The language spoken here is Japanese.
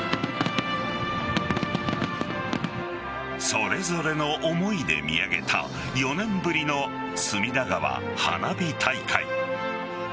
それぞれの思いで見上げた４年ぶりの隅田川花火大会。